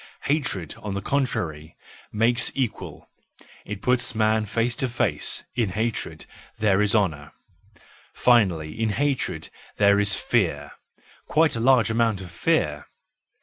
... Hatred, on the contrary, makes equal, it puts men face to face, in hatred there is honour; finally, in hatred there is fear , quite a large amount of fear.